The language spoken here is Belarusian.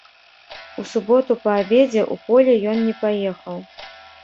У суботу па абедзе ў поле ён не паехаў.